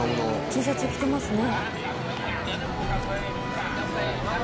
「Ｔシャツ着てますね」